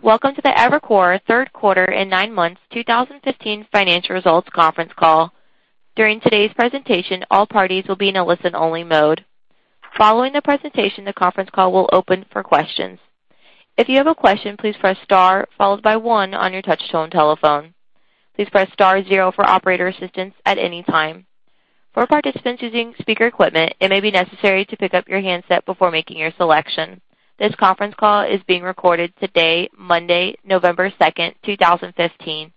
Welcome to the Evercore third quarter and nine months 2015 financial results conference call. During today's presentation, all parties will be in a listen-only mode. Following the presentation, the conference call will open for questions. If you have a question, please press star followed by one on your touch-tone telephone. Please press star zero for operator assistance at any time. For participants using speaker equipment, it may be necessary to pick up your handset before making your selection. This conference call is being recorded today, Monday, November 2nd, 2015.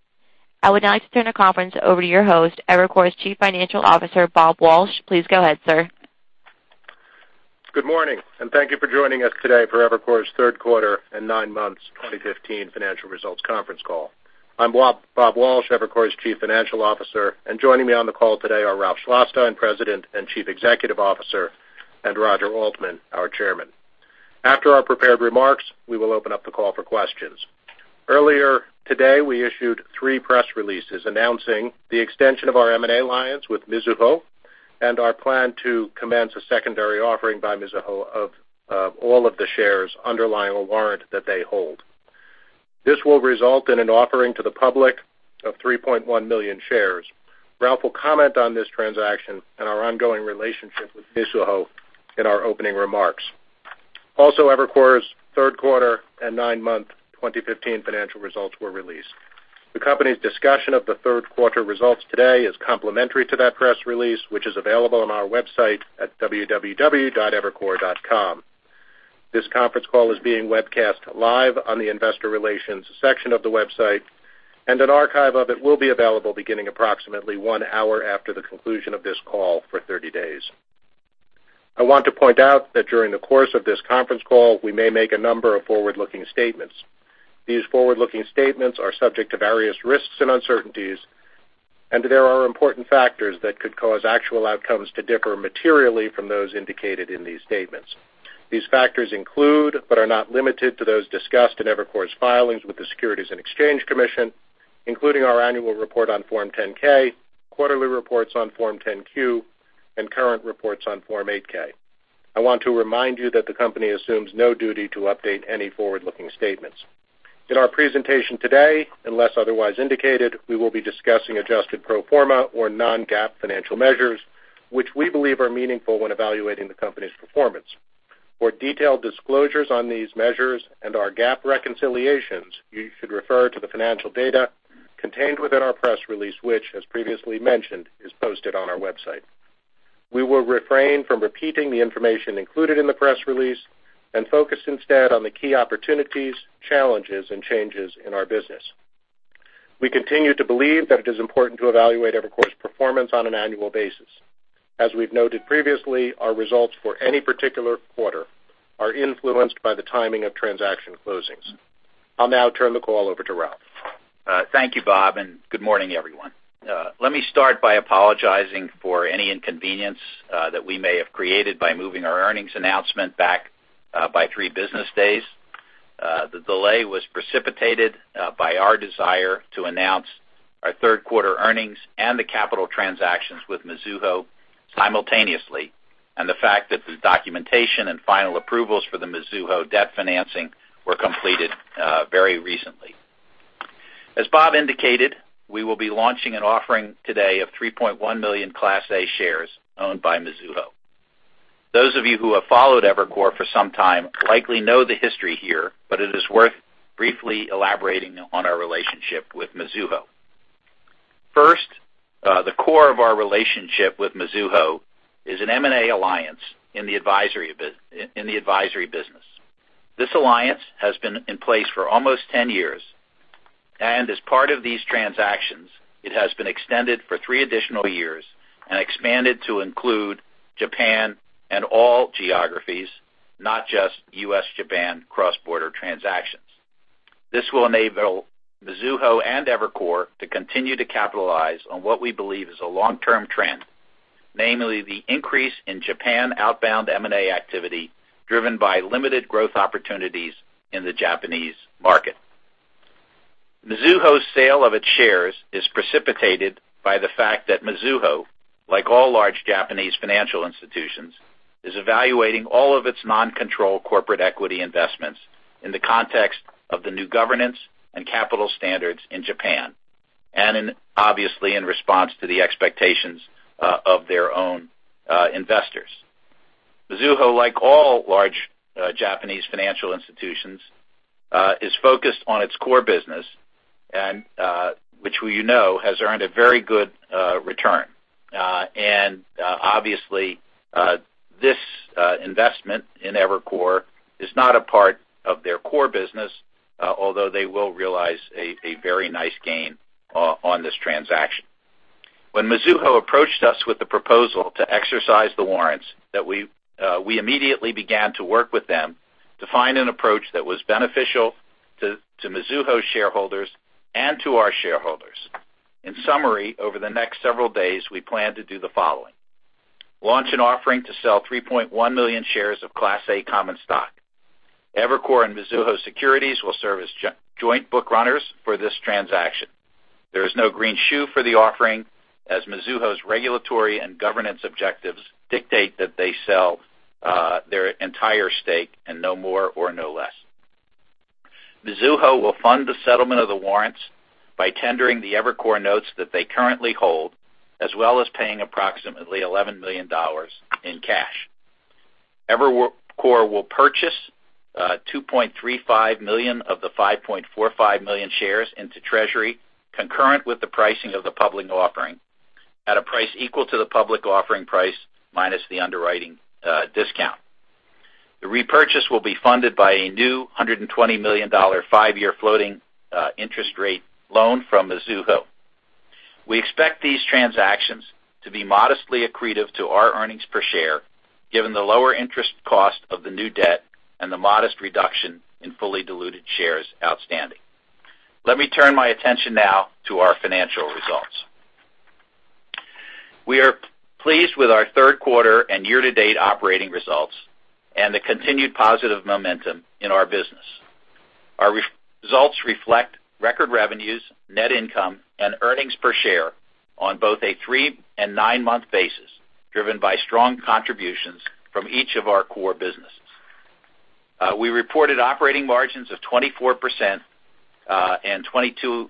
I would now like to turn the conference over to your host, Evercore's Chief Financial Officer, Bob Walsh. Please go ahead, sir. Good morning, thank you for joining us today for Evercore's third quarter and nine months 2015 financial results conference call. I'm Bob Walsh, Evercore's Chief Financial Officer, and joining me on the call today are Ralph Schlosstein, President and Chief Executive Officer, and Roger Altman, our Chairman. After our prepared remarks, we will open up the call for questions. Earlier today, we issued three press releases announcing the extension of our M&A alliance with Mizuho, and our plan to commence a secondary offering by Mizuho of all of the shares underlying a warrant that they hold. This will result in an offering to the public of 3.1 million shares. Ralph will comment on this transaction and our ongoing relationship with Mizuho in our opening remarks. Also, Evercore's third quarter and nine-month 2015 financial results were released. The company's discussion of the third quarter results today is complementary to that press release, which is available on our website at www.evercore.com. This conference call is being webcast live on the investor relations section of the website, and an archive of it will be available beginning approximately one hour after the conclusion of this call for 30 days. I want to point out that during the course of this conference call, we may make a number of forward-looking statements. These forward-looking statements are subject to various risks and uncertainties, and there are important factors that could cause actual outcomes to differ materially from those indicated in these statements. These factors include, but are not limited to, those discussed in Evercore's filings with the Securities and Exchange Commission, including our annual report on Form 10-K, quarterly reports on Form 10-Q, and current reports on Form 8-K. I want to remind you that the company assumes no duty to update any forward-looking statements. In our presentation today, unless otherwise indicated, we will be discussing adjusted pro forma or non-GAAP financial measures, which we believe are meaningful when evaluating the company's performance. For detailed disclosures on these measures and our GAAP reconciliations, you should refer to the financial data contained within our press release, which, as previously mentioned, is posted on our website. We will refrain from repeating the information included in the press release and focus instead on the key opportunities, challenges, and changes in our business. We continue to believe that it is important to evaluate Evercore's performance on an annual basis. As we've noted previously, our results for any particular quarter are influenced by the timing of transaction closings. I'll now turn the call over to Ralph. Thank you, Bob, and good morning, everyone. Let me start by apologizing for any inconvenience that we may have created by moving our earnings announcement back by three business days. The delay was precipitated by our desire to announce our third quarter earnings and the capital transactions with Mizuho simultaneously, and the fact that the documentation and final approvals for the Mizuho debt financing were completed very recently. As Bob indicated, we will be launching an offering today of 3.1 million Class A shares owned by Mizuho. Those of you who have followed Evercore for some time likely know the history here, but it is worth briefly elaborating on our relationship with Mizuho. First, the core of our relationship with Mizuho is an M&A alliance in the advisory business. This alliance has been in place for almost 10 years. As part of these transactions, it has been extended for three additional years and expanded to include Japan and all geographies, not just U.S.-Japan cross-border transactions. This will enable Mizuho and Evercore to continue to capitalize on what we believe is a long-term trend, namely, the increase in Japan outbound M&A activity driven by limited growth opportunities in the Japanese market. Mizuho's sale of its shares is precipitated by the fact that Mizuho, like all large Japanese financial institutions, is evaluating all of its non-control corporate equity investments in the context of the new governance and capital standards in Japan, and obviously in response to the expectations of their own investors. Mizuho, like all large Japanese financial institutions, is focused on its core business, which we know has earned a very good return. Obviously, this investment in Evercore is not a part of their core business, although they will realize a very nice gain on this transaction. When Mizuho approached us with the proposal to exercise the warrants, we immediately began to work with them to find an approach that was beneficial to Mizuho shareholders and to our shareholders. In summary, over the next several days, we plan to do the following: launch an offering to sell 3.1 million shares of Class A common stock. Evercore and Mizuho Securities will serve as joint bookrunners for this transaction. There is no green shoe for the offering, as Mizuho's regulatory and governance objectives dictate that they sell their entire stake and no more or no less. Mizuho will fund the settlement of the warrants by tendering the Evercore notes that they currently hold, as well as paying approximately $11 million in cash. Evercore will purchase 2.35 million of the 5.45 million shares into treasury concurrent with the pricing of the public offering at a price equal to the public offering price minus the underwriting discount. The repurchase will be funded by a new $120 million five-year floating interest rate loan from Mizuho. We expect these transactions to be modestly accretive to our earnings per share, given the lower interest cost of the new debt and the modest reduction in fully diluted shares outstanding. Let me turn my attention now to our financial results. We are pleased with our third quarter and year-to-date operating results and the continued positive momentum in our business. Our results reflect record revenues, net income, and earnings per share on both a three and nine-month basis, driven by strong contributions from each of our core businesses. We reported operating margins of 24% and 22.5%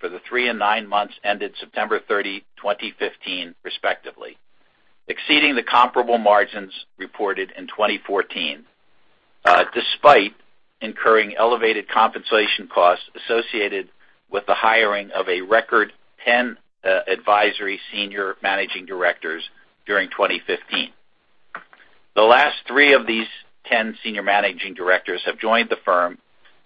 for the three and nine months ended September 30, 2015, respectively, exceeding the comparable margins reported in 2014, despite incurring elevated compensation costs associated with the hiring of a record 10 advisory Senior Managing Directors during 2015. The last three of these 10 Senior Managing Directors have joined the firm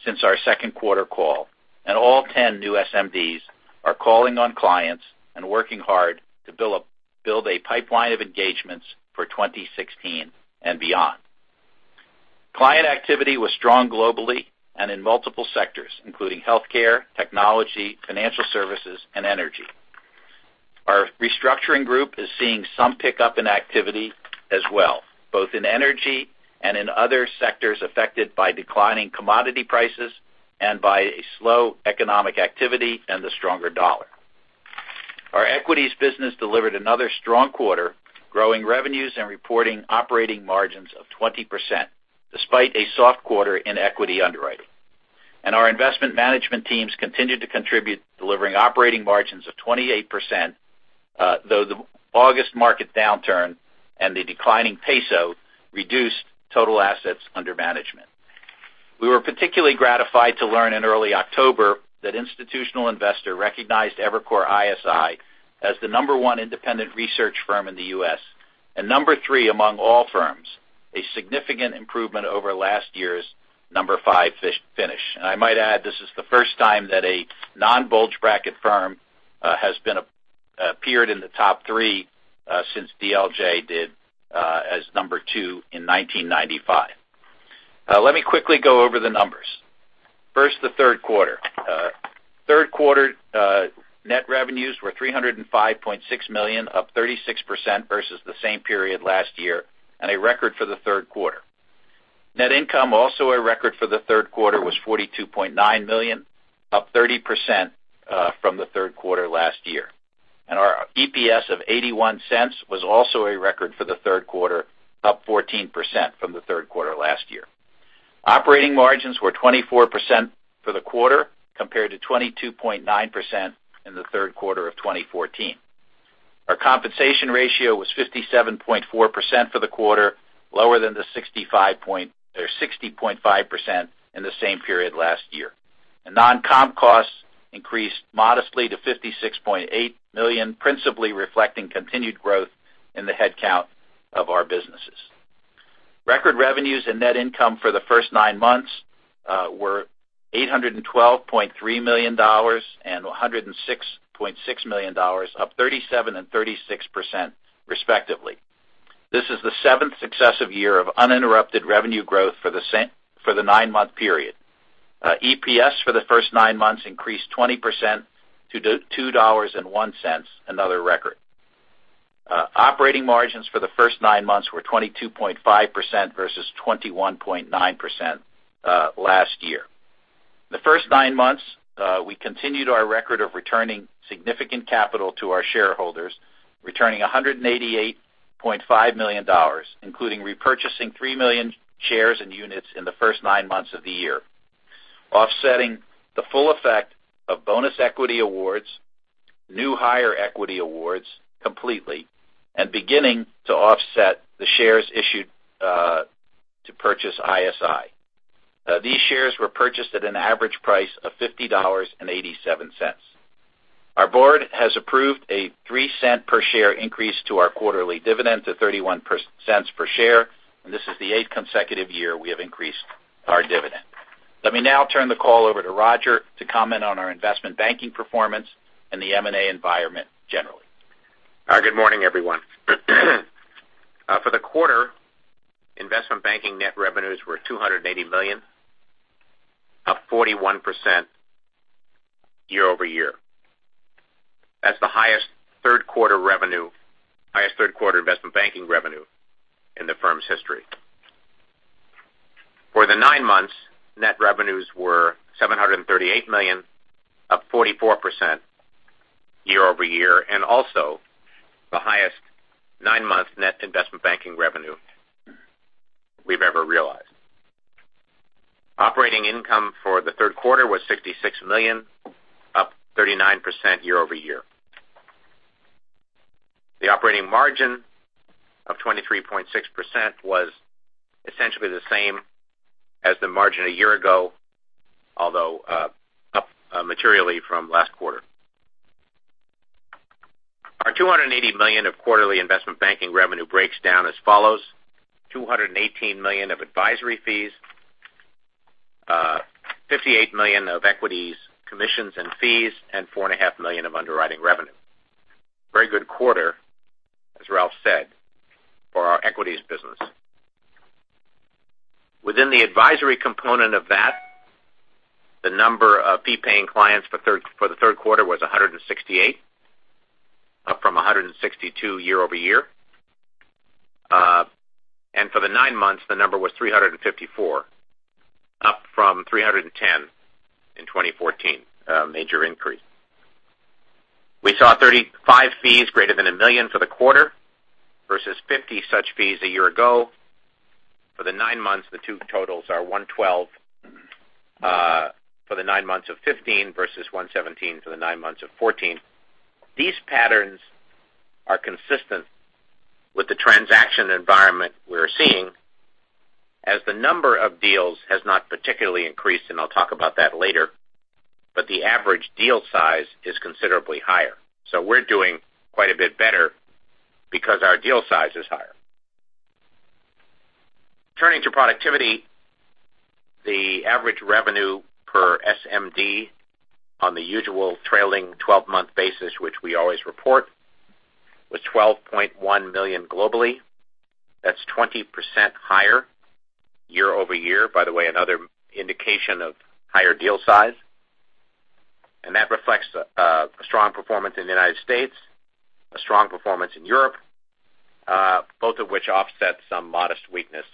since our second quarter call, all 10 new SMDs are calling on clients and working hard to build a pipeline of engagements for 2016 and beyond. Client activity was strong globally and in multiple sectors, including healthcare, technology, financial services, and energy. Our restructuring group is seeing some pickup in activity as well, both in energy and in other sectors affected by declining commodity prices and by a slow economic activity and the stronger dollar. Our equities business delivered another strong quarter, growing revenues and reporting operating margins of 20%, despite a soft quarter in equity underwriting. Our investment management teams continued to contribute, delivering operating margins of 28%, though the August market downturn and the declining peso reduced total assets under management. We were particularly gratified to learn in early October that Institutional Investor recognized Evercore ISI as the number 1 independent research firm in the U.S. and number 3 among all firms, a significant improvement over last year's number 5 finish. I might add, this is the first time that a non-bulge bracket firm has appeared in the top 3 since DLJ did as number 2 in 1995. Let me quickly go over the numbers. First, the third quarter. Third quarter net revenues were $305.6 million, up 36% versus the same period last year, and a record for the third quarter. Net income, also a record for the third quarter, was $42.9 million, up 30% from the third quarter last year. Our EPS of $0.81 was also a record for the third quarter, up 14% from the third quarter last year. Operating margins were 24% for the quarter, compared to 22.9% in the third quarter of 2014. Our compensation ratio was 57.4% for the quarter, lower than the 60.5% in the same period last year. Non-comp costs increased modestly to $56.8 million, principally reflecting continued growth in the headcount of our businesses. Record revenues and net income for the first nine months were $812.3 million and $106.6 million, up 37% and 36%, respectively. This is the seventh successive year of uninterrupted revenue growth for the nine-month period. EPS for the first nine months increased 20% to $2.01, another record. Operating margins for the first nine months were 22.5% versus 21.9% last year. The first nine months, we continued our record of returning significant capital to our shareholders, returning $188.5 million, including repurchasing 3 million shares and units in the first nine months of the year, offsetting the full effect of bonus equity awards, new hire equity awards completely, and beginning to offset the shares issued to purchase ISI. These shares were purchased at an average price of $50.87. Our board has approved a $0.03-per-share increase to our quarterly dividend to $0.31 per share, this is the eighth consecutive year we have increased our dividend. Let me now turn the call over to Roger to comment on our investment banking performance and the M&A environment generally. Good morning, everyone. For the quarter, investment banking net revenues were $280 million, up 41% year-over-year. That's the highest third quarter investment banking revenue in the firm's history. For the nine months, net revenues were $738 million, up 44% year-over-year, and also the highest nine-month net investment banking revenue we've ever realized. Operating income for the third quarter was $66 million, up 39% year-over-year. The operating margin of 23.6% was essentially the same as the margin a year ago, although up materially from last quarter. Our $280 million of quarterly investment banking revenue breaks down as follows: $218 million of advisory fees, $58 million of equities commissions and fees, and $4.5 million of underwriting revenue. Very good quarter, as Ralph said, for our equities business. Within the advisory component of that, the number of fee-paying clients for the third quarter was 168, up from 162 year-over-year. For the nine months, the number was 354, up from 310 in 2014. A major increase. We saw 35 fees greater than $1 million for the quarter versus 50 such fees a year ago. For the nine months, the two totals are 112 for the nine months of 2015 versus 117 for the nine months of 2014. These patterns are consistent with the transaction environment we're seeing, as the number of deals has not particularly increased, and I'll talk about that later, but the average deal size is considerably higher. We're doing quite a bit better because our deal size is higher. Turning to productivity, the average revenue per SMD on the usual trailing 12-month basis, which we always report, was $12.1 million globally. That's 20% higher year-over-year. By the way, another indication of higher deal size. That reflects a strong performance in the U.S., a strong performance in Europe, both of which offset some modest weakness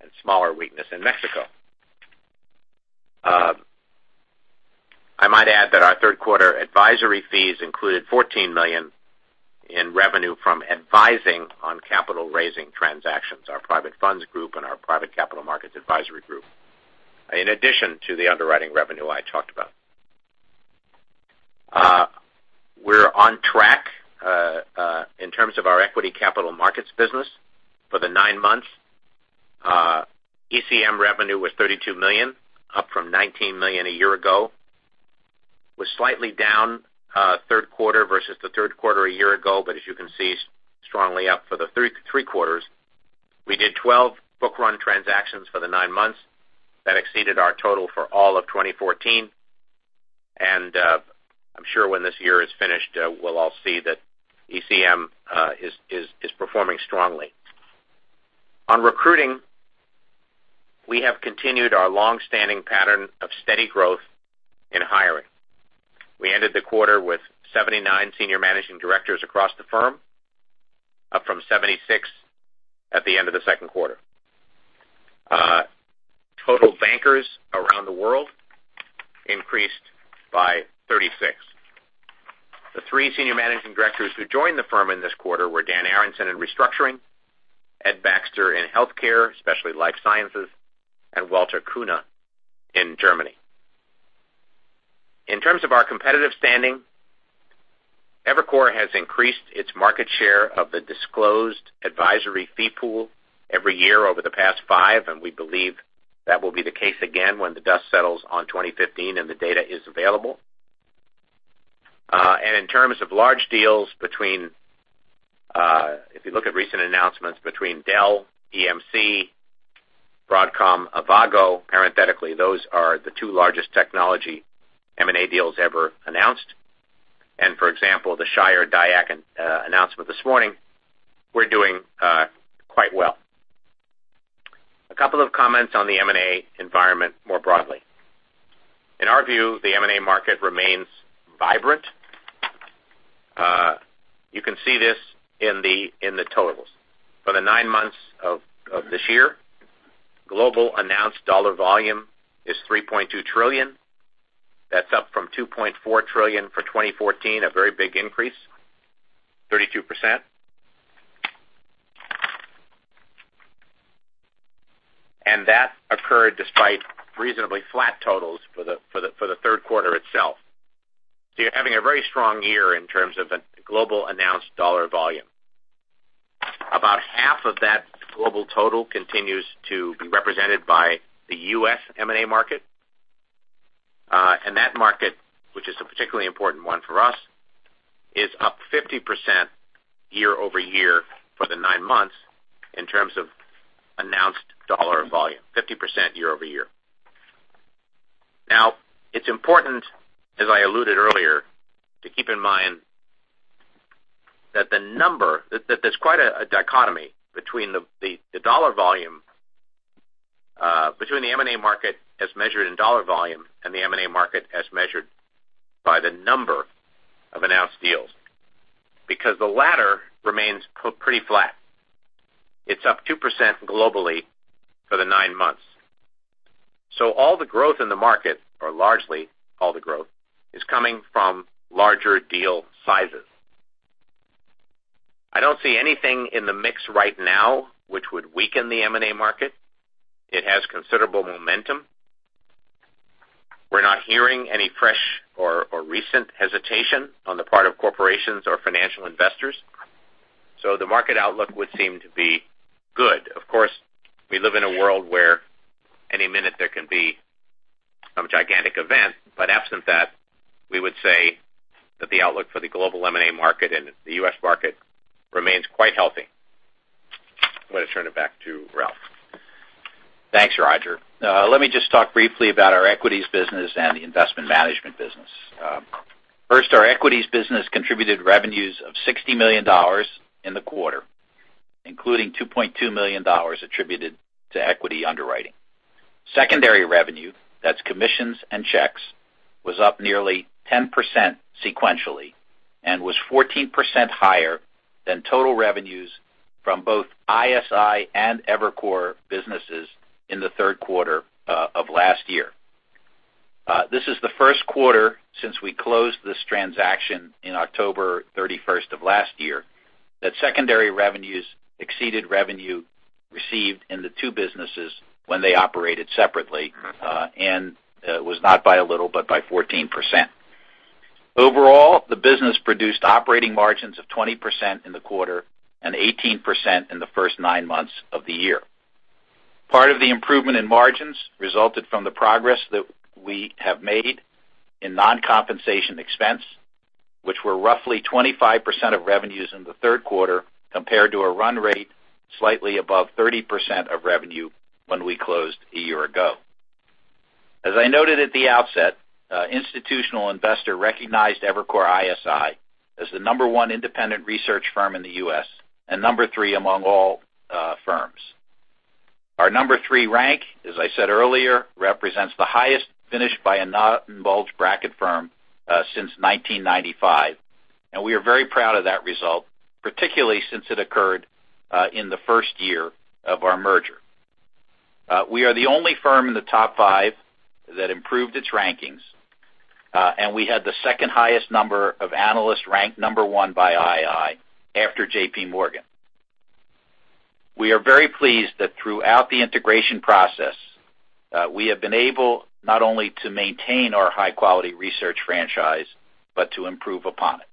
and smaller weakness in Mexico. I might add that our third quarter advisory fees included $14 million in revenue from advising on capital-raising transactions, our private funds group and our private capital markets advisory group, in addition to the underwriting revenue I talked about. We're on track in terms of our equity capital markets business. For the nine months, ECM revenue was $32 million, up from $19 million a year ago. Was slightly down third quarter versus the third quarter a year ago, but as you can see, strongly up for the three quarters. We did 12 book-run transactions for the nine months. That exceeded our total for all of 2014, and I'm sure when this year is finished, we'll all see that ECM is performing strongly. On recruiting, we have continued our longstanding pattern of steady growth in hiring. We ended the quarter with 79 senior managing directors across the firm, up from 76 at the end of the second quarter. Total bankers around the world increased by 36. The three senior managing directors who joined the firm in this quarter were Daniel Aronson in Restructuring, Edmund D. Baxter in Healthcare, specifically life sciences, and Walter Kuna in Germany. In terms of our competitive standing, Evercore has increased its market share of the disclosed advisory fee pool every year over the past five, and we believe that will be the case again when the dust settles on 2015 and the data is available. In terms of large deals, if you look at recent announcements between Dell, EMC, Broadcom, Avago, parenthetically, those are the two largest technology M&A deals ever announced. For example, the Shire Dyax announcement this morning, we're doing quite well. A couple of comments on the M&A environment more broadly. In our view, the M&A market remains vibrant. You can see this in the totals. For the nine months of this year, global announced dollar volume is $3.2 trillion. That's up from $2.4 trillion for 2014, a very big increase, 32%. That occurred despite reasonably flat totals for the third quarter itself. You're having a very strong year in terms of the global announced dollar volume. About half of that global total continues to be represented by the U.S. M&A market. That market, which is a particularly important one for us, is up 50% year-over-year for the nine months in terms of announced dollar volume. 50% year-over-year. It's important, as I alluded earlier, to keep in mind that there's quite a dichotomy between the M&A market as measured in dollar volume and the M&A market as measured by the number. The latter remains pretty flat. It's up 2% globally for the nine months. All the growth in the market, or largely all the growth, is coming from larger deal sizes. I don't see anything in the mix right now which would weaken the M&A market. It has considerable momentum. We're not hearing any fresh or recent hesitation on the part of corporations or financial investors. The market outlook would seem to be good. Of course, we live in a world where any minute there can be some gigantic event, but absent that, we would say that the outlook for the global M&A market and the U.S. market remains quite healthy. I'm going to turn it back to Ralph. Thanks, Roger. Let me just talk briefly about our equities business and the investment management business. First, our equities business contributed revenues of $60 million in the quarter, including $2.2 million attributed to equity underwriting. Secondary revenue, that's commissions and checks, was up nearly 10% sequentially and was 14% higher than total revenues from both ISI and Evercore businesses in the third quarter of last year. This is the first quarter since we closed this transaction in October 31st of last year, that secondary revenues exceeded revenue received in the two businesses when they operated separately, and it was not by a little, but by 14%. Overall, the business produced operating margins of 20% in the quarter and 18% in the first nine months of the year. Part of the improvement in margins resulted from the progress that we have made in non-compensation expense, which were roughly 25% of revenues in the third quarter, compared to a run rate slightly above 30% of revenue when we closed a year ago. As I noted at the outset, Institutional Investor recognized Evercore ISI as the number one independent research firm in the U.S. and number three among all firms. Our number three rank, as I said earlier, represents the highest finish by a non-bulge bracket firm since 1995. We are very proud of that result, particularly since it occurred in the first year of our merger. We are the only firm in the top five that improved its rankings. We had the second highest number of analysts ranked number one by II, after JP Morgan. We are very pleased that throughout the integration process, we have been able not only to maintain our high-quality research franchise but to improve upon it.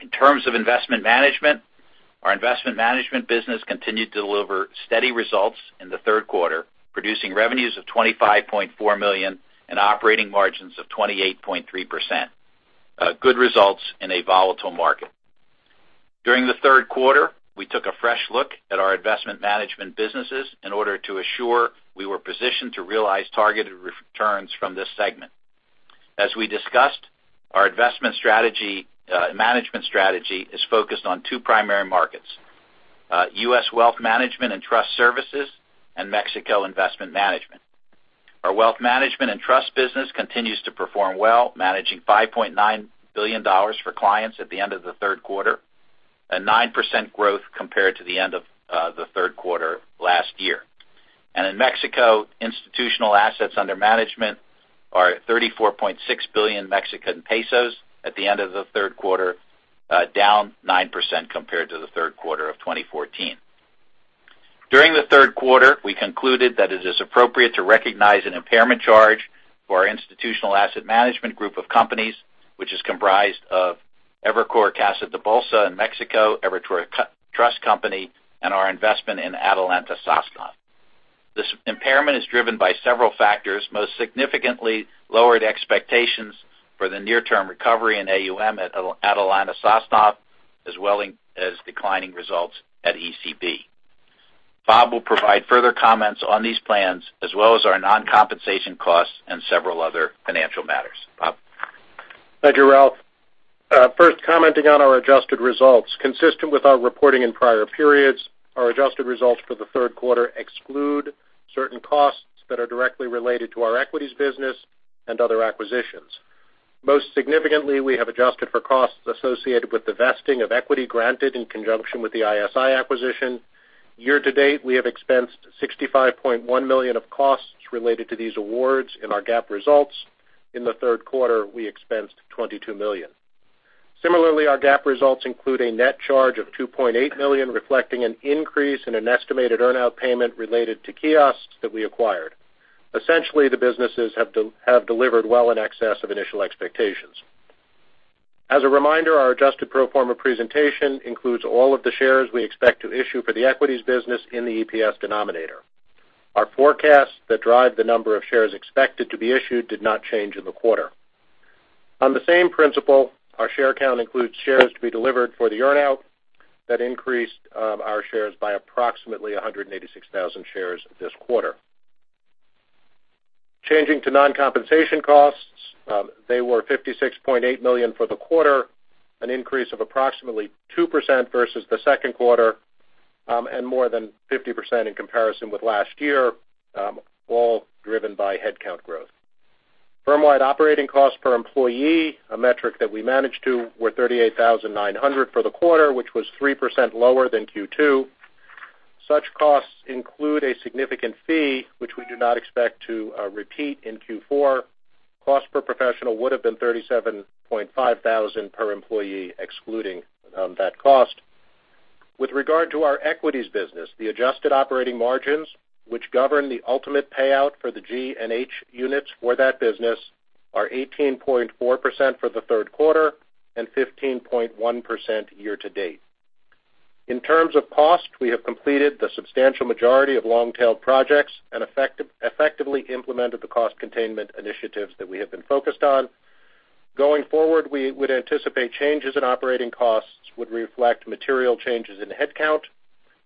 In terms of investment management, our investment management business continued to deliver steady results in the third quarter, producing revenues of $25.4 million and operating margins of 28.3%. Good results in a volatile market. During the third quarter, we took a fresh look at our investment management businesses in order to assure we were positioned to realize targeted returns from this segment. As we discussed, our investment management strategy is focused on two primary markets, U.S. wealth management and trust services, and Mexico investment management. Our wealth management and trust business continues to perform well, managing $5.9 billion for clients at the end of the third quarter, a 9% growth compared to the end of the third quarter last year. In Mexico, institutional assets under management are 34.6 billion Mexican pesos at the end of the third quarter, down 9% compared to the third quarter of 2014. During the third quarter, we concluded that it is appropriate to recognize an impairment charge for our institutional asset management group of companies, which is comprised of Evercore Casa de Bolsa in Mexico, Evercore Trust Company, and our investment in Atalanta Sosnoff. This impairment is driven by several factors, most significantly lowered expectations for the near-term recovery in AUM at Atalanta Sosnoff, as well as declining results at ECP. Bob will provide further comments on these plans as well as our non-compensation costs and several other financial matters. Bob? Thank you, Ralph. First, commenting on our adjusted results. Consistent with our reporting in prior periods, our adjusted results for the third quarter exclude certain costs that are directly related to our equities business and other acquisitions. Most significantly, we have adjusted for costs associated with the vesting of equity granted in conjunction with the ISI acquisition. Year-to-date, we have expensed $65.1 million of costs related to these awards in our GAAP results. In the third quarter, we expensed $22 million. Similarly, our GAAP results include a net charge of $2.8 million, reflecting an increase in an estimated earnout payment related to Kiosk that we acquired. Essentially, the businesses have delivered well in excess of initial expectations. As a reminder, our adjusted pro forma presentation includes all of the shares we expect to issue for the equities business in the EPS denominator. Our forecasts that drive the number of shares expected to be issued did not change in the quarter. On the same principle, our share count includes shares to be delivered for the earn-out that increased our shares by approximately 186,000 shares this quarter. Changing to non-compensation costs, they were $56.8 million for the quarter, an increase of approximately 2% versus the second quarter, and more than 50% in comparison with last year, all driven by headcount growth. Firm-wide operating costs per employee, a metric that we manage to, were $38,900 for the quarter, which was 3% lower than Q2. Such costs include a significant fee, which we do not expect to repeat in Q4. Cost per professional would've been $37,500 per employee, excluding that cost. With regard to our equities business, the adjusted operating margins, which govern the ultimate payout for the G and H units for that business, are 18.4% for the third quarter and 15.1% year to date. In terms of cost, we have completed the substantial majority of long-tail projects and effectively implemented the cost containment initiatives that we have been focused on. Going forward, we would anticipate changes in operating costs would reflect material changes in headcount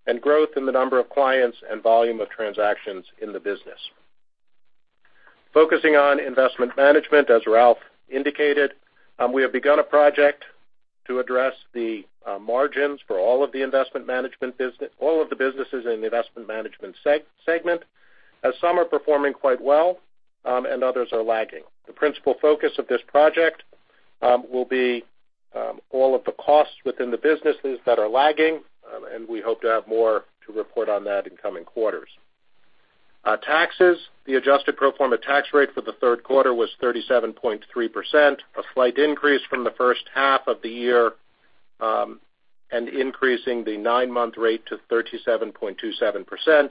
and growth in the number of clients and volume of transactions in the business. Focusing on investment management, as Ralph indicated, we have begun a project to address the margins for all of the businesses in the investment management segment, as some are performing quite well and others are lagging. The principal focus of this project will be all of the costs within the businesses that are lagging. We hope to have more to report on that in coming quarters. Taxes. The adjusted pro forma tax rate for the third quarter was 37.3%, a slight increase from the first half of the year. Increasing the nine-month rate to 37.27%.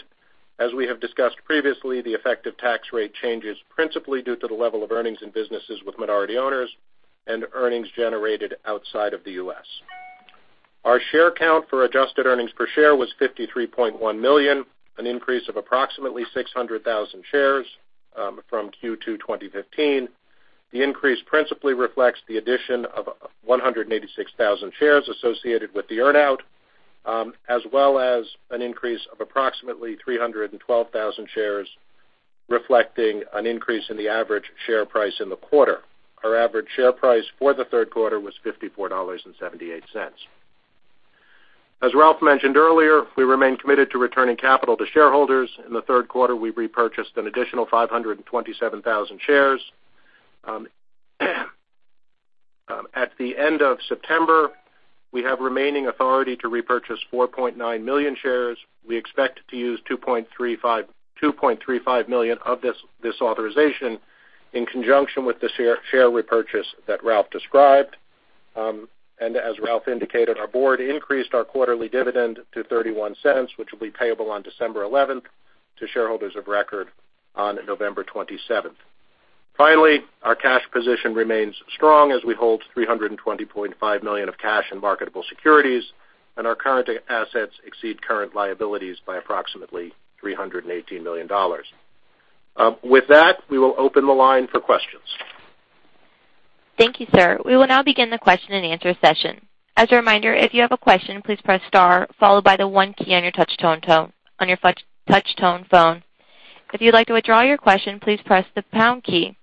As we have discussed previously, the effective tax rate changes principally due to the level of earnings in businesses with minority owners and earnings generated outside of the U.S. Our share count for adjusted earnings per share was 53.1 million, an increase of approximately 600,000 shares from Q2 2015. The increase principally reflects the addition of 186,000 shares associated with the earn-out, as well as an increase of approximately 312,000 shares, reflecting an increase in the average share price in the quarter. Our average share price for the third quarter was $54.78. As Ralph mentioned earlier, we remain committed to returning capital to shareholders. In the third quarter, we repurchased an additional 527,000 shares. At the end of September, we have remaining authority to repurchase 4.9 million shares. We expect to use 2.35 million of this authorization in conjunction with the share repurchase that Ralph described. As Ralph indicated, our board increased our quarterly dividend to $0.31, which will be payable on December 11th to shareholders of record on November 27th. Finally, our cash position remains strong as we hold $320.5 million of cash and marketable securities. Our current assets exceed current liabilities by approximately $318 million. With that, we will open the line for questions. Thank you, sir. We will now begin the question and answer session. As a reminder, if you have a question, please press star followed by the one key on your touch tone phone. If you'd like to withdraw your question, please press the pound key.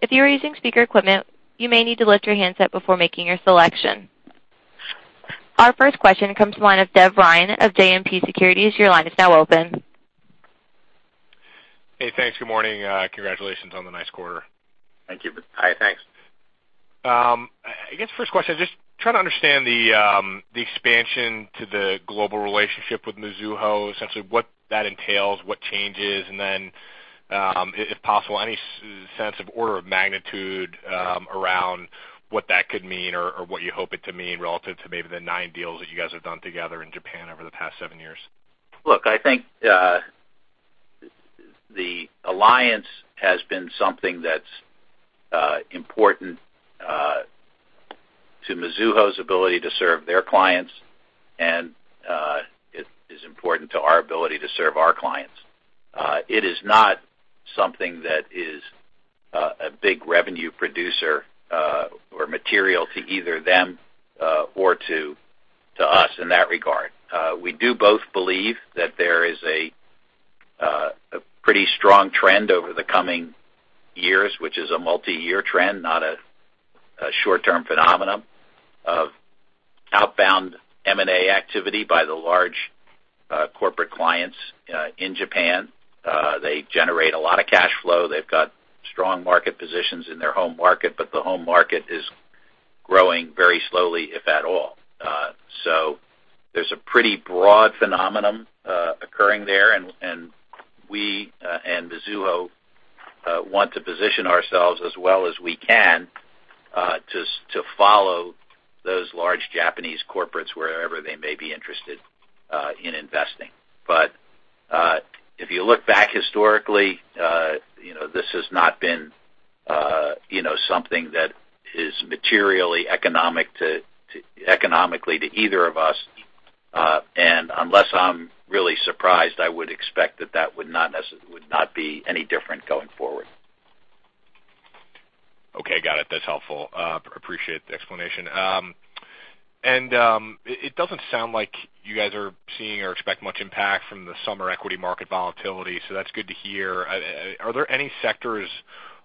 If you are using speaker equipment, you may need to lift your handset before making your selection. Our first question comes from the line of Devin Ryan of JMP Securities. Your line is now open. Hey, thanks. Good morning. Congratulations on the nice quarter. Thank you. Thanks. I guess first question is just trying to understand the expansion to the global relationship with Mizuho, essentially what that entails, what changes, and then, if possible, any sense of order of magnitude around what that could mean or what you hope it to mean relative to maybe the nine deals that you guys have done together in Japan over the past seven years. Look, I think the alliance has been something that's important to Mizuho's ability to serve their clients. It is important to our ability to serve our clients. It is not something that is a big revenue producer or material to either them or to us in that regard. We do both believe that there is a pretty strong trend over the coming years, which is a multi-year trend, not a short-term phenomenon, of outbound M&A activity by the large corporate clients in Japan. They generate a lot of cash flow. They've got strong market positions in their home market, but the home market is growing very slowly, if at all. There's a pretty broad phenomenon occurring there, and we and Mizuho want to position ourselves as well as we can to follow those large Japanese corporates wherever they may be interested in investing. If you look back historically this has not been something that is materially economically to either of us. Unless I'm really surprised, I would expect that that would not be any different going forward. Okay, got it. That's helpful. Appreciate the explanation. It doesn't sound like you guys are seeing or expect much impact from the summer equity market volatility, so that's good to hear. Are there any sectors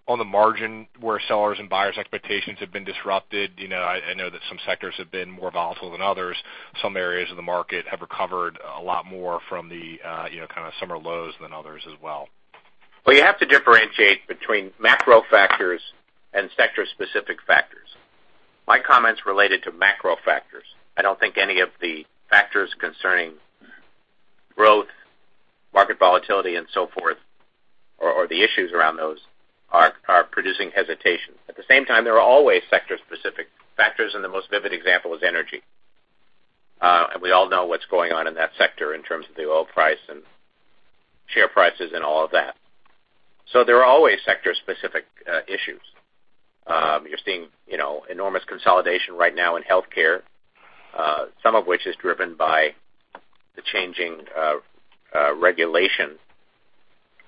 on the margin where sellers and buyers' expectations have been disrupted? I know that some sectors have been more volatile than others. Some areas of the market have recovered a lot more from the summer lows than others as well. Well, you have to differentiate between macro factors and sector-specific factors. It's related to macro factors. I don't think any of the factors concerning growth, market volatility, and so forth, or the issues around those are producing hesitation. At the same time, there are always sector-specific factors, and the most vivid example is energy. We all know what's going on in that sector in terms of the oil price and share prices and all of that. There are always sector-specific issues. You're seeing enormous consolidation right now in healthcare, some of which is driven by the changing regulation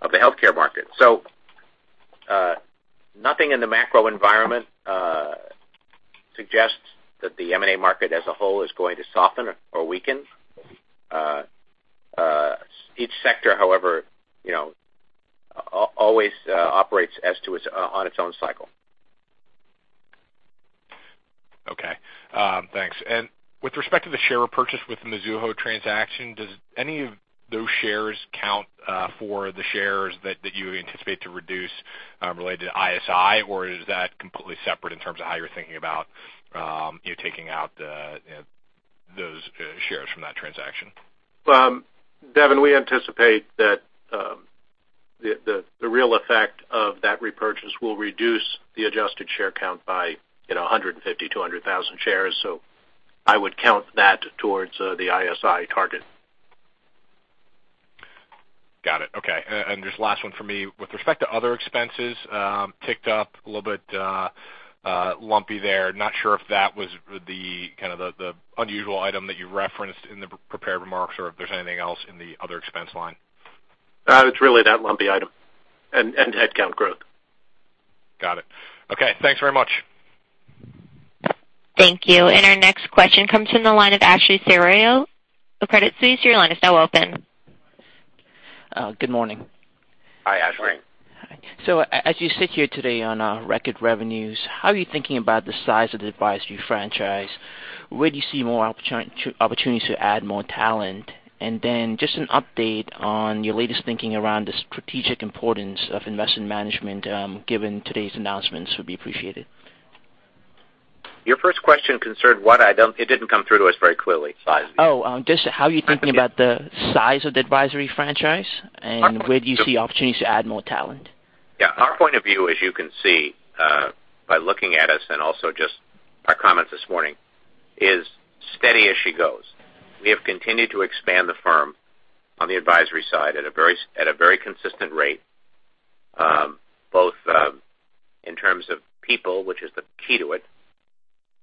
of the healthcare market. Nothing in the macro environment suggests that the M&A market as a whole is going to soften or weaken. Each sector, however, always operates on its own cycle. Okay. Thanks. With respect to the share repurchase with the Mizuho transaction, does any of those shares count for the shares that you anticipate to reduce related to ISI, or is that completely separate in terms of how you're thinking about taking out those shares from that transaction? Devin, we anticipate that the real effect of that repurchase will reduce the adjusted share count by 150,000 to 100,000 shares. I would count that towards the ISI target. Got it. Okay. Just last one for me. With respect to other expenses, ticked up a little bit lumpy there. Not sure if that was the unusual item that you referenced in the prepared remarks or if there's anything else in the other expense line. It's really that lumpy item and headcount growth. Got it. Okay. Thanks very much. Thank you. Our next question comes from the line of Ashley Serrao of Credit Suisse. Your line is now open. Good morning. Hi, Ashley. Hi. As you sit here today on record revenues, how are you thinking about the size of the advisory franchise? Where do you see more opportunities to add more talent? Just an update on your latest thinking around the strategic importance of investment management given today's announcements would be appreciated. Your first question concerned what item? It didn't come through to us very clearly. Size. Oh, just how you're thinking about the size of the advisory franchise, and where do you see opportunities to add more talent? Our point of view, as you can see by looking at us and also just our comments this morning, is steady as she goes. We have continued to expand the firm on the advisory side at a very consistent rate, both in terms of people, which is the key to it,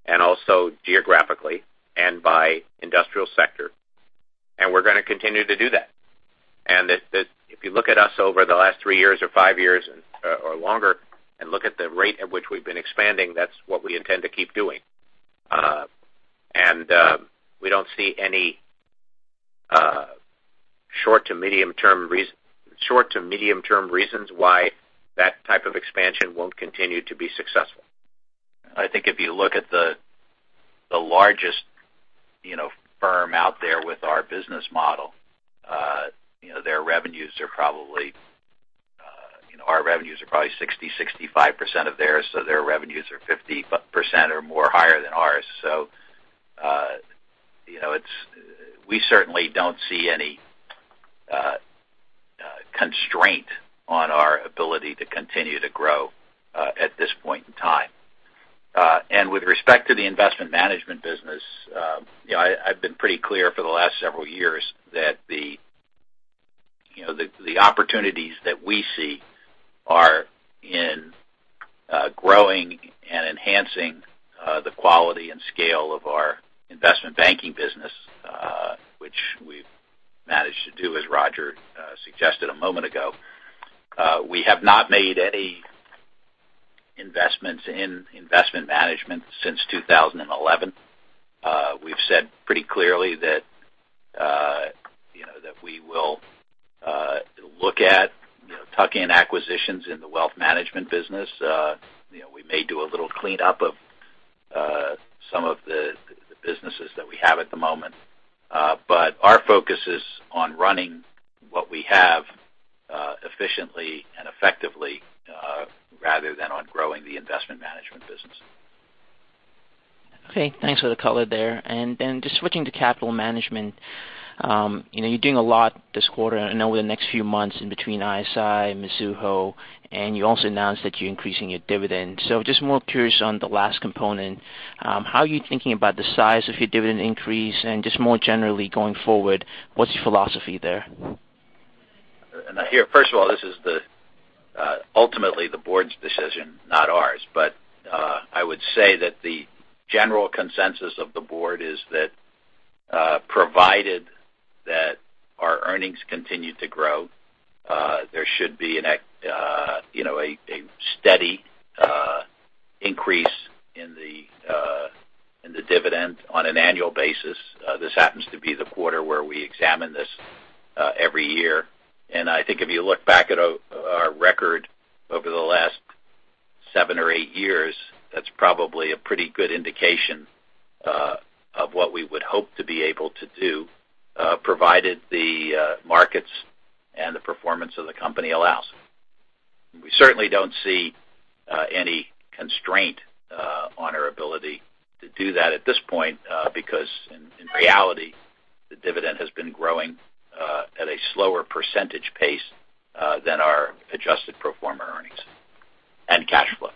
and also geographically and by industrial sector. We're going to continue to do that. If you look at us over the last three years or five years or longer, and look at the rate at which we've been expanding, that's what we intend to keep doing. We don't see any short to medium term reasons why that type of expansion won't continue to be successful. I think if you look at the largest firm out there with our business model, our revenues are probably 60%-65% of theirs, their revenues are 50% or more higher than ours. We certainly don't see any constraint on our ability to continue to grow at this point in time. With respect to the investment management business, I've been pretty clear for the last several years that the opportunities that we see are in growing and enhancing the quality and scale of our investment banking business, which we've managed to do as Roger suggested a moment ago. We have not made any investments in investment management since 2011. We've said pretty clearly that we will look at tuck-in acquisitions in the wealth management business. We may do a little cleanup of some of the businesses that we have at the moment. Our focus is on running what we have efficiently and effectively rather than on growing the investment management business. Thanks for the color there. Just switching to capital management. You're doing a lot this quarter and over the next few months in between ISI and Mizuho, you also announced that you're increasing your dividend. Just more curious on the last component, how are you thinking about the size of your dividend increase and just more generally going forward, what's your philosophy there? Here, first of all, this is ultimately the board's decision, not ours. I would say that the general consensus of the board is that provided that our earnings continue to grow, there should be a steady increase in the dividend on an annual basis. This happens to be the quarter where we examine this every year. I think if you look back at our record over the last seven or eight years, that's probably a pretty good indication of what we would hope to be able to do, provided the markets and the performance of the company allows. We certainly don't see any constraint on our ability to do that at this point, because in reality, the dividend has been growing at a slower percentage pace than our adjusted pro forma earnings and cash flow.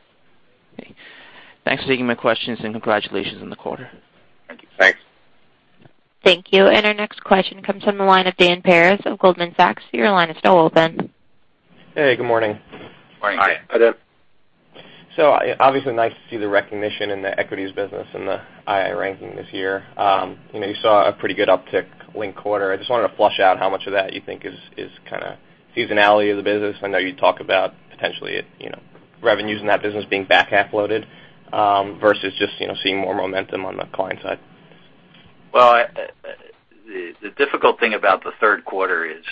Okay. Thanks for taking my questions, and congratulations on the quarter. Thank you. Thank you. Our next question comes from the line of Dan Paris of Goldman Sachs. Your line is now open. Hey, good morning. Morning. Hi. Hi, Dan. Obviously nice to see the recognition in the equities business and the II ranking this year. You saw a pretty good uptick linked quarter. I just wanted to flush out how much of that you think is seasonality of the business. I know you talk about potentially revenues in that business being back half loaded, versus just seeing more momentum on the client side. Well, the difficult thing about the third quarter is,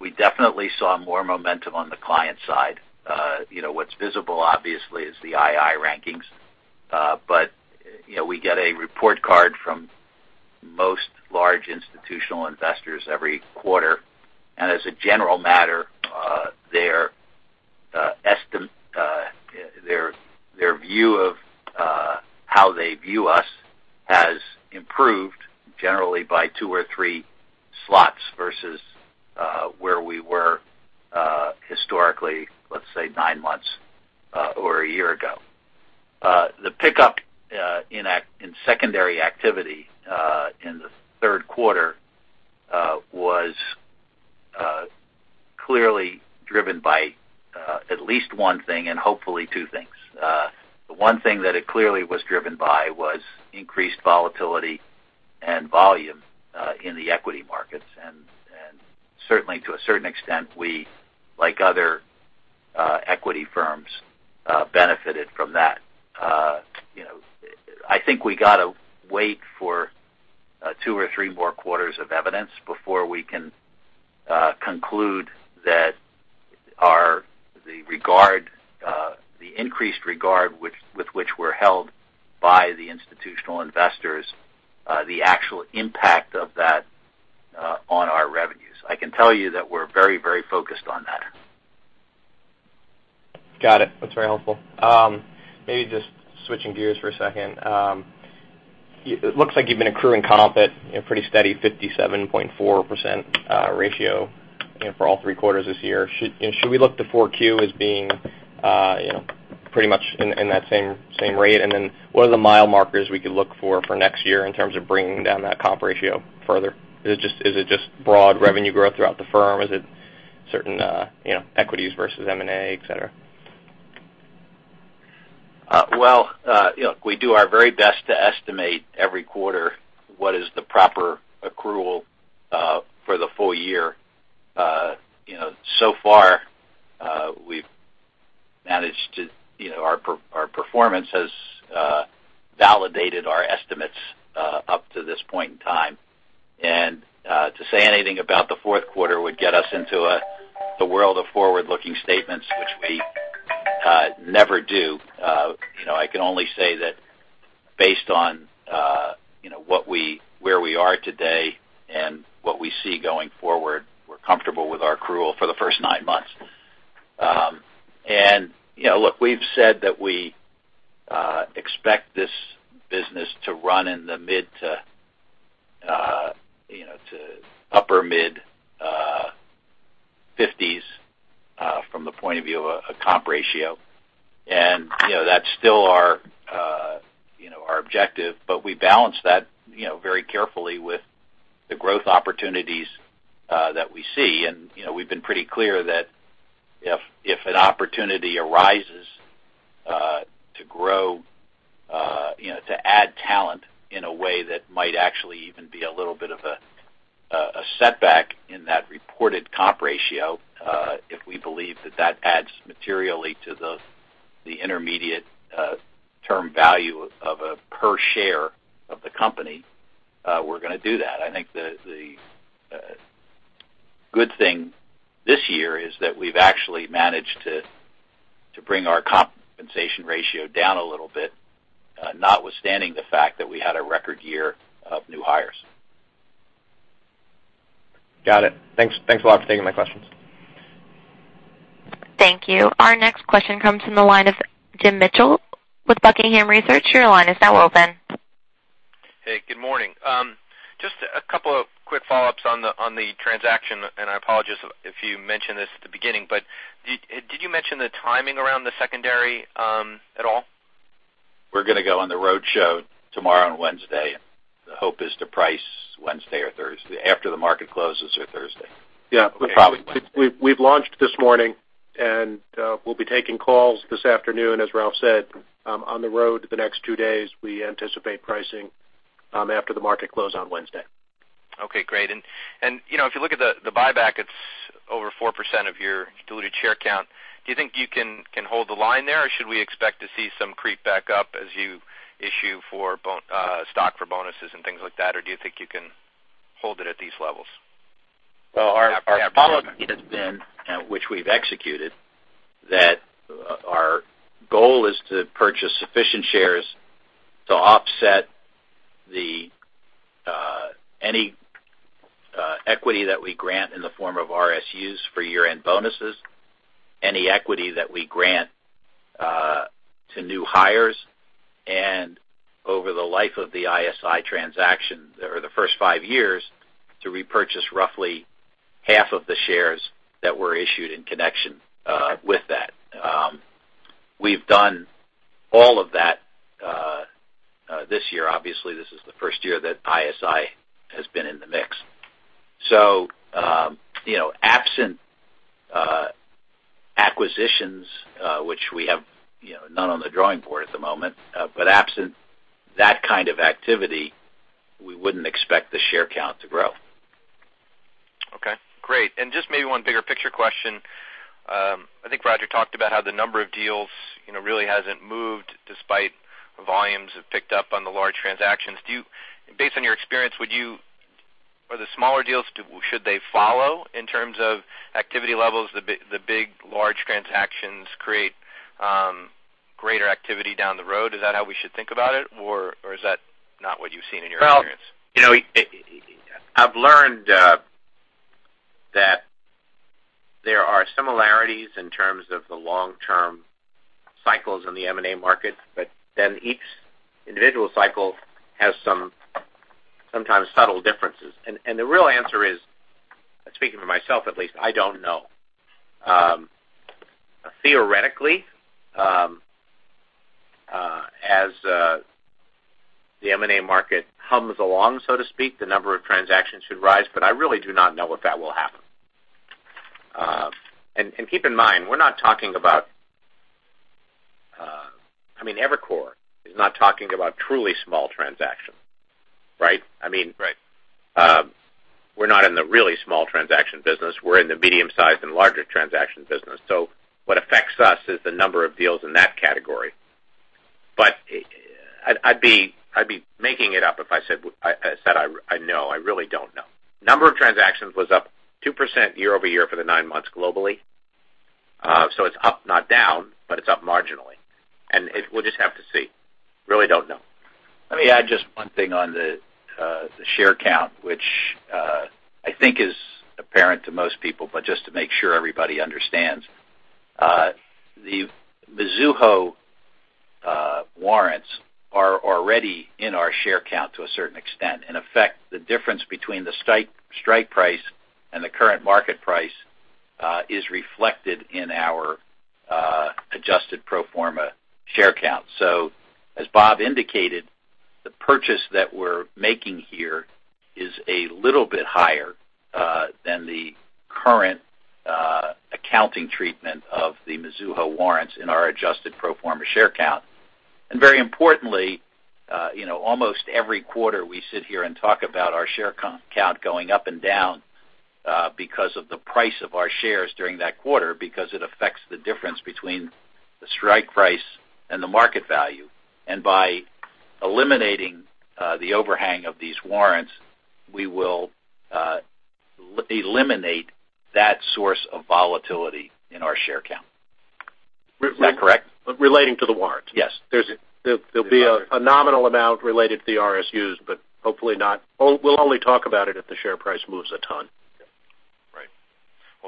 we definitely saw more momentum on the client side. What's visible, obviously, is the II rankings. We get a report card from most large institutional investors every quarter. As a general matter, how they view us has improved generally by two or three slots versus where we were historically, let's say, nine months or a year ago. The pickup in secondary activity in the third quarter was clearly driven by at least one thing and hopefully two things. The one thing that it clearly was driven by was increased volatility and volume, in the equity markets. Certainly to a certain extent, we, like other equity firms, benefited from that. I think we got to wait for two or three more quarters of evidence before we can conclude that the increased regard with which we're held by the institutional investors, the actual impact of that on our revenues. I can tell you that we're very focused on that. Got it. That's very helpful. Maybe just switching gears for a second. It looks like you've been accruing comp at a pretty steady 57.4% ratio for all three quarters this year. Should we look to 4Q as being pretty much in that same rate? Then what are the mile markers we could look for next year in terms of bringing down that comp ratio further? Is it just broad revenue growth throughout the firm? Is it certain equities versus M&A, et cetera? Look, we do our very best to estimate every quarter what is the proper accrual for the full year. So far, our performance has validated our estimates up to this point in time. To say anything about the fourth quarter would get us into the world of forward-looking statements, which we never do. I can only say that based on where we are today and what we see going forward, we're comfortable with our accrual for the first nine months. Look, we've said that we expect this business to run in the mid to upper mid fifties from the point of view of a comp ratio. That's still our objective, but we balance that very carefully with the growth opportunities that we see. We've been pretty clear that if an opportunity arises to add talent in a way that might actually even be a little bit of a setback in that reported comp ratio, if we believe that that adds materially to the intermediate term value of a per share of the company, we're going to do that. I think the good thing this year is that we've actually managed to bring our compensation ratio down a little bit, notwithstanding the fact that we had a record year of new hires. Got it. Thanks a lot for taking my questions. Thank you. Our next question comes from the line of Jim Mitchell with Buckingham Research. Your line is now open. Hey, good morning. Just a couple of quick follow-ups on the transaction, I apologize if you mentioned this at the beginning, did you mention the timing around the secondary at all? We're going to go on the roadshow tomorrow and Wednesday. The hope is to price Wednesday or Thursday after the market closes or Thursday. Yeah. Probably Wednesday. We've launched this morning, and we'll be taking calls this afternoon, as Ralph said, on the road the next two days. We anticipate pricing after the market close on Wednesday. Okay, great. If you look at the buyback, it's over 4% of your diluted share count. Do you think you can hold the line there, or should we expect to see some creep back up as you issue stock for bonuses and things like that? Or do you think you can hold it at these levels? Well, our policy has been, which we've executed, that our goal is to purchase sufficient shares to offset any equity that we grant in the form of RSUs for year-end bonuses, any equity that we grant to new hires, and over the life of the ISI transaction, or the first five years, to repurchase roughly half of the shares that were issued in connection with that. We've done all of that this year. Obviously, this is the first year that ISI has been in the mix. Absent acquisitions, which we have none on the drawing board at the moment, but absent that kind of activity, we wouldn't expect the share count to grow. Okay, great. Just maybe one bigger picture question. I think Roger talked about how the number of deals really hasn't moved despite volumes have picked up on the large transactions. Based on your experience, the smaller deals, should they follow in terms of activity levels? The big, large transactions create greater activity down the road. Is that how we should think about it? Or is that not what you've seen in your experience? Well, I've learned that there are similarities in terms of the long-term cycles in the M&A market, each individual cycle has some sometimes subtle differences. The real answer is, speaking for myself at least, I don't know. Theoretically, as the M&A market hums along, so to speak, the number of transactions should rise, but I really do not know if that will happen. Keep in mind, Evercore is not talking about truly small transactions. Right? Right. We're not in the really small transaction business. We're in the medium-sized and larger transactions business. What affects us is the number of deals in that category. I'd be making it up if I said I know. I really don't know. Number of transactions was up 2% year-over-year for the nine months globally. It's up, not down, but it's up marginally. We'll just have to see. Really don't know. Let me add just one thing on the share count, which I think is apparent to most people, but just to make sure everybody understands. The Mizuho warrants are already in our share count to a certain extent. In effect, the difference between the strike price and the current market price is reflected in our adjusted pro forma share count. As Bob indicated, the purchase that we're making here is a little bit higher than the current accounting treatment of the Mizuho warrants in our adjusted pro forma share count. Very importantly, almost every quarter, we sit here and talk about our share count going up and down because of the price of our shares during that quarter because it affects the difference between the strike price and the market value. By eliminating the overhang of these warrants, we will eliminate that source of volatility in our share count. Is that correct? Relating to the warrants? Yes. There'll be a nominal amount related to the RSUs, but we'll only talk about it if the share price moves a ton. Right.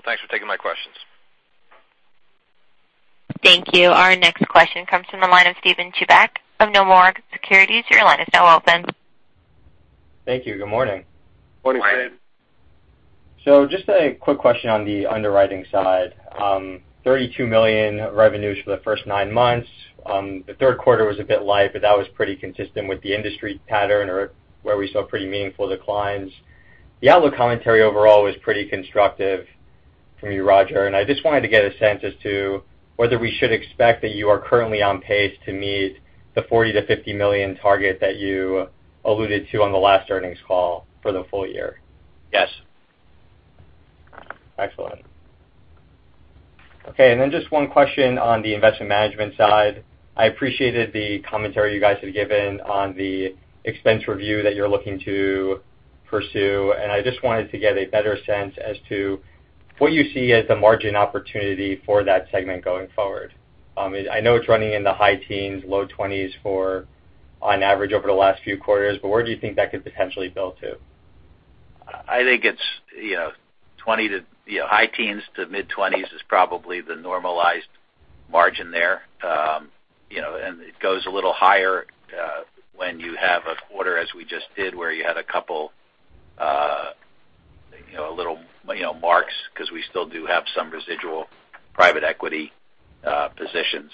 Thanks for taking my questions. Thank you. Our next question comes from the line of Steven Chubak of Nomura Securities. Your line is now open. Thank you. Good morning. Morning, Steven. Just a quick question on the underwriting side. $32 million revenues for the first nine months. The third quarter was a bit light, but that was pretty consistent with the industry pattern or where we saw pretty meaningful declines. The outlook commentary overall was pretty constructive for you, Roger, I just wanted to get a sense as to whether we should expect that you are currently on pace to meet the $40 million-$50 million target that you alluded to on the last earnings call for the full year. Yes. Excellent. Okay. Then just one question on the investment management side. I appreciated the commentary you guys have given on the expense review that you're looking to pursue, I just wanted to get a better sense as to what you see as the margin opportunity for that segment going forward. I know it's running in the high teens, low twenties on average over the last few quarters, where do you think that could potentially build to? I think high teens to mid-twenties is probably the normalized margin there. It goes a little higher when you have a quarter as we just did where you had a couple little marks because we still do have some residual private equity positions.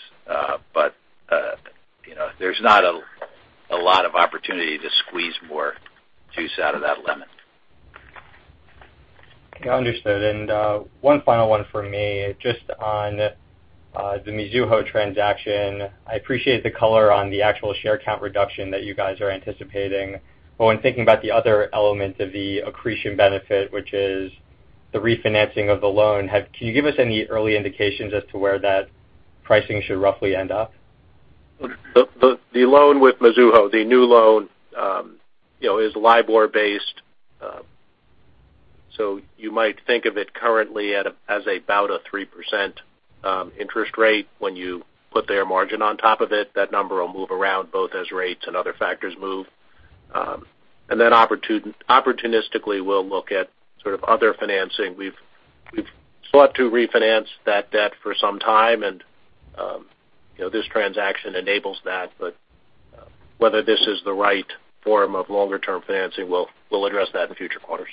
There's not a lot of opportunity to squeeze more juice out of that lemon. One final one for me, just on the Mizuho transaction. I appreciate the color on the actual share count reduction that you guys are anticipating. When thinking about the other element of the accretion benefit, which is the refinancing of the loan, can you give us any early indications as to where that pricing should roughly end up? The loan with Mizuho, the new loan is LIBOR-based. You might think of it currently as about a 3% interest rate. When you put their margin on top of it, that number will move around both as rates and other factors move. Then opportunistically, we'll look at sort of other financing. We've sought to refinance that debt for some time, and this transaction enables that. Whether this is the right form of longer-term financing, we'll address that in future quarters.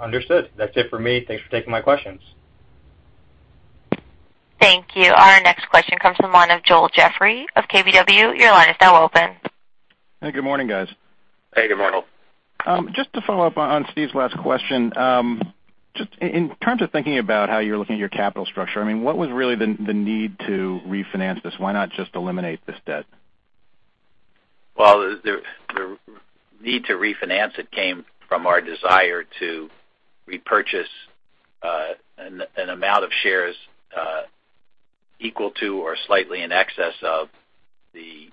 Understood. That's it for me. Thanks for taking my questions. Thank you. Our next question comes from the line of Joel Jeffrey of KBW. Your line is now open. Hey, good morning, guys. Hey, good morning. Just to follow up on Steve's last question. Just in terms of thinking about how you're looking at your capital structure, what was really the need to refinance this? Why not just eliminate this debt? Well, the need to refinance it came from our desire to repurchase an amount of shares equal to or slightly in excess of the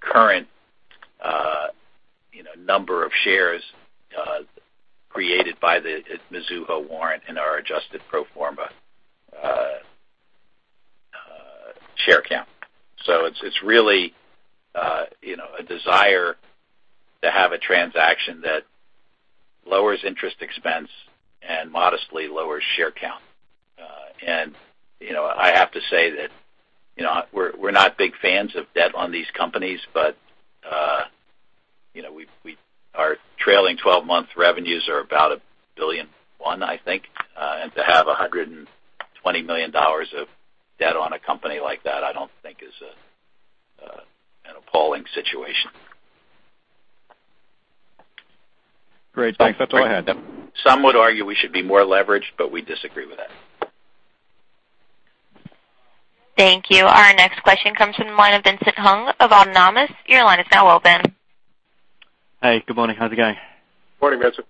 current number of shares created by the Mizuho warrant and our adjusted pro forma share count. It's really a desire to have a transaction that lowers interest expense and modestly lowers share count. I have to say that we're not big fans of debt on these companies, but our trailing 12-month revenues are about $1.1 billion, I think. To have $120 million of debt on a company like that, I don't think is an appalling situation. Great. Thanks. That's all I had. Some would argue we should be more leveraged. We disagree with that. Thank you. Our next question comes from the line of Vincent Hung of Autonomous. Your line is now open. Hey, good morning. How's it going? Morning, Vincent.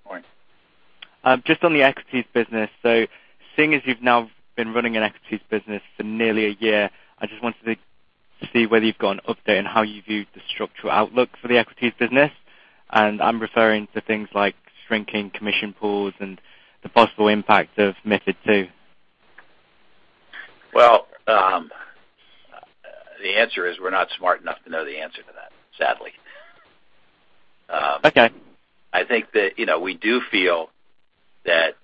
Just on the equities business. Seeing as you've now been running an equities business for nearly a year, I just wanted to see whether you've got an update on how you view the structural outlook for the equities business. I'm referring to things like shrinking commission pools and the possible impact of MiFID II. Well, the answer is we're not smart enough to know the answer to that, sadly. Okay. I think that we do feel that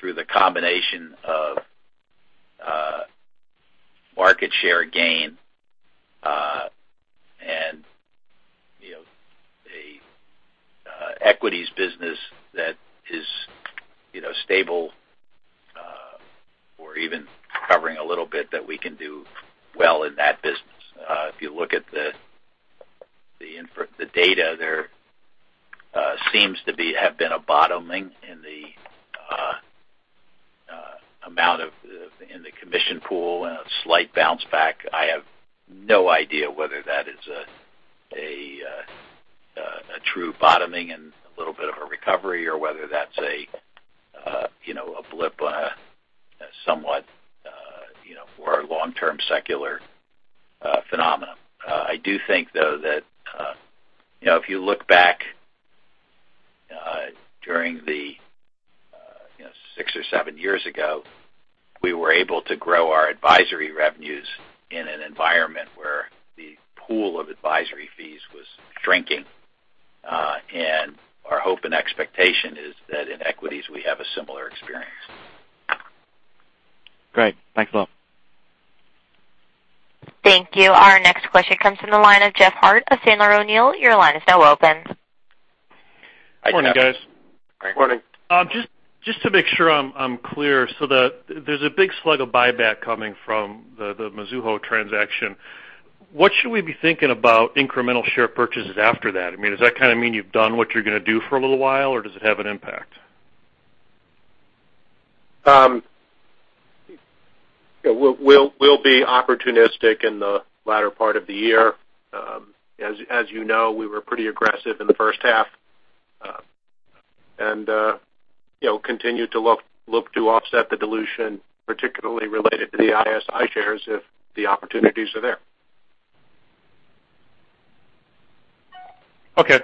through the combination of market share gain, and a equities business that is stable, or even covering a little bit, that we can do well in that business. If you look at the data, there seems to have been a bottoming in the amount in the commission pool and a slight bounce back. I have no idea whether that is a true bottoming and a little bit of a recovery or whether that's a blip on a somewhat, for a long-term secular phenomenon. I do think, though, that if you look back during the six or seven years ago, we were able to grow our advisory revenues in an environment where the pool of advisory fees was shrinking. Our hope and expectation is that in equities, we have a similar experience. Great. Thanks a lot. Thank you. Our next question comes from the line of Jeff Harte of Sandler O'Neill + Partners. Your line is now open. Morning, guys. Morning. Just to make sure I'm clear, there's a big slug of buyback coming from the Mizuho transaction. What should we be thinking about incremental share purchases after that? I mean, does that kind of mean you've done what you're going to do for a little while, or does it have an impact? We'll be opportunistic in the latter part of the year. As you know, we were pretty aggressive in the first half. Continue to look to offset the dilution, particularly related to the ISI shares, if the opportunities are there. Okay.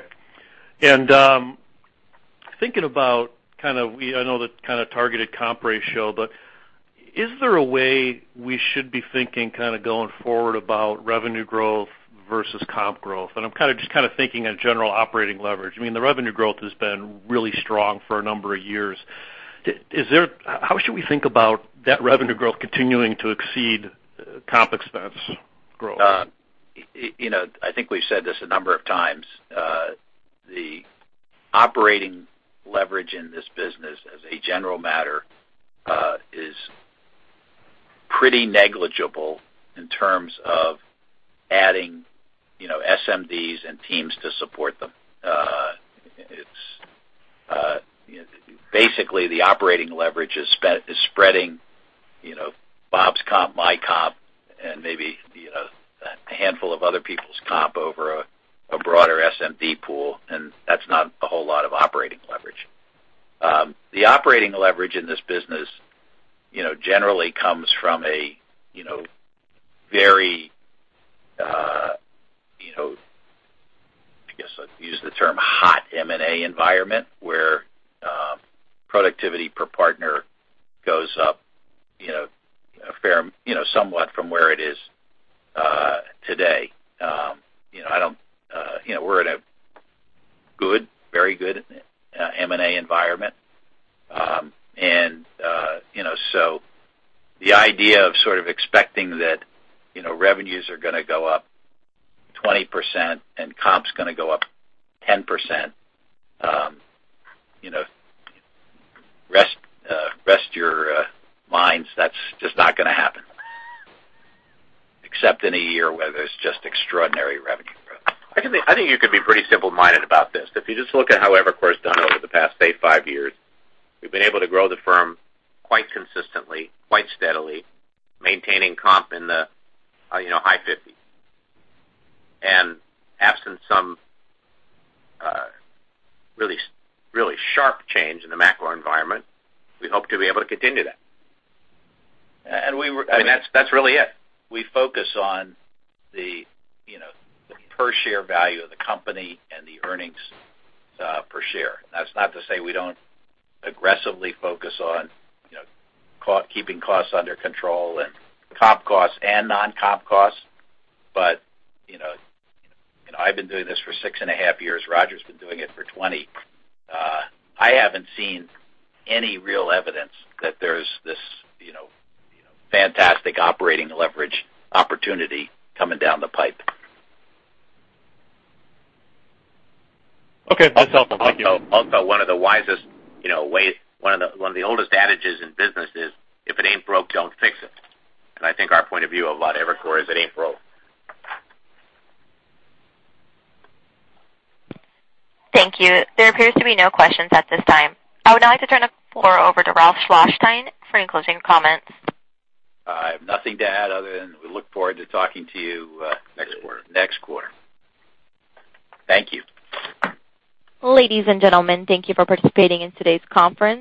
Thinking about kind of, I know the kind of targeted comp ratio, is there a way we should be thinking kind of going forward about revenue growth versus comp growth? I'm kind of just thinking on a general operating leverage. I mean, the revenue growth has been really strong for a number of years. How should we think about that revenue growth continuing to exceed comp expense growth? I think we've said this a number of times. The operating leverage in this business as a general matter is pretty negligible in terms of adding SMDs and teams to support them. Basically, the operating leverage is spreading Bob's comp, my comp, and maybe a handful of other people's comp over a broader SMD pool, and that's not a whole lot of operating leverage. The operating leverage in this business generally comes from a very, I guess I'll use the term hot M&A environment, where productivity per partner goes up somewhat from where it is today. We're in a very good M&A environment. So the idea of sort of expecting that revenues are going to go up 20% and comp's going to go up 10%, rest your minds. That's just not going to happen. Except in a year where there's just extraordinary revenue growth. I think you can be pretty simple-minded about this. If you just look at how Evercore's done over the past, say, five years, we've been able to grow the firm quite consistently, quite steadily, maintaining comp in the high 50s. Absent some really sharp change in the macro environment, we hope to be able to continue that. And we were- I mean, that's really it. We focus on the per-share value of the company and the earnings per share. That's not to say we don't aggressively focus on keeping costs under control and comp costs and non-comp costs. I've been doing this for six and a half years. Roger's been doing it for 20. I haven't seen any real evidence that there's this fantastic operating leverage opportunity coming down the pipe. Okay. That's helpful. Thank you. One of the oldest adages in business is, if it ain't broke, don't fix it. I think our point of view about Evercore is it ain't broke. Thank you. There appears to be no questions at this time. I would now like to turn the floor over to Ralph Schlosstein for any closing comments. I have nothing to add other than we look forward to talking to you. Next quarter. next quarter. Thank you. Ladies and gentlemen, thank you for participating in today's conference